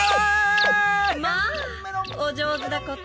まあお上手だこと。